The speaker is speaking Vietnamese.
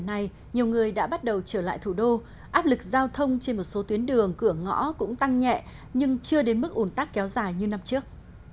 nhiều người đã bắt đầu trở lại thủ đô áp lực giao thông trên một số tuyến đường cửa ngõ cũng tăng nhẹ nhưng chưa đến mức ủn tắc kéo dài như năm trước